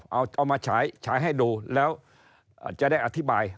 เอามาฉายให้ดูแล้วจะได้อธิบาย